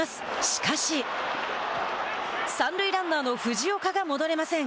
しかし三塁ランナーの藤岡が戻れません。